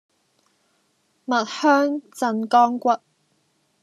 蜜香鎮江骨